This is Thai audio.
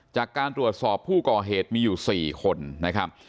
จากการตรวจสอบผู้ก่อเหตุมีอยู่๔คนนะครับ